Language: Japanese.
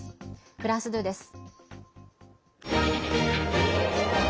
フランス２です。